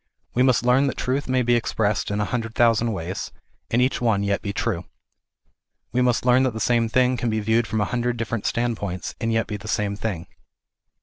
We must learn that truth may be expressed in a hundred thousand ways, and each one yet be true. We must learn that the same thing can be viewed from a hundred different standpoints, and yet be the same thing.